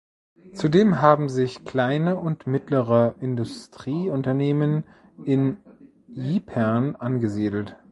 Zudem haben sich kleine und mittlere Industrieunternehmen in Ypern angesiedelt.